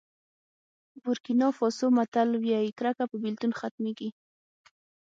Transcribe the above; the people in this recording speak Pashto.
بورکېنا فاسو متل وایي کرکه په بېلتون ختمېږي.